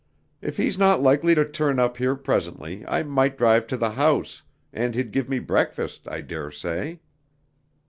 If he's not likely to turn up here presently I might drive to the house, and he'd give me breakfast, I daresay."